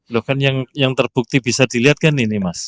loh kan yang terbukti bisa dilihat kan ini mas